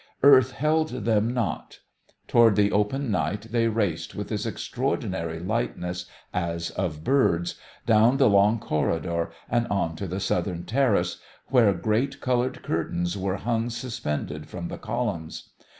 Earth held them not. Toward the open night they raced with this extraordinary lightness as of birds, down the long corridor and on to the southern terrace, where great coloured curtains were hung suspended from the columns.